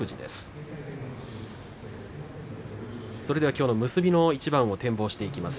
きょうの結びの一番を展望していきます。